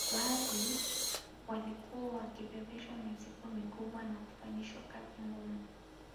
Baadhi walikuwa wakibebeshwa mizigo mikubwa na kufanyishwa kazi ngumu